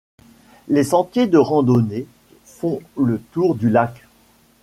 Les sentiers de randonnées font le tour du lac.